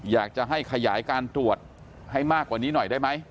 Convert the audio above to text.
อยากจะให้ขยายการตรวจให้มากกว่านี้หน่อยได้ไหม